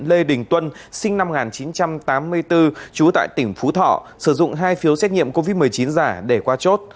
lê đình tuân sinh năm một nghìn chín trăm tám mươi bốn trú tại tỉnh phú thọ sử dụng hai phiếu xét nghiệm covid một mươi chín giả để qua chốt